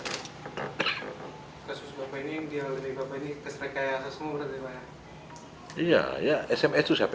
kasus bapak ini yang dari bapak ini keserkayaan semua berarti apa